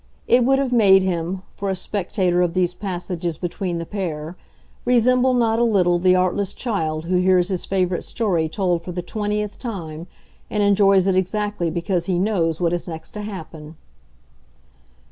It would have made him, for a spectator of these passages between the pair, resemble not a little the artless child who hears his favourite story told for the twentieth time and enjoys it exactly because he knows what is next to happen.